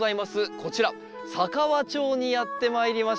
こちら佐川町にやってまいりました。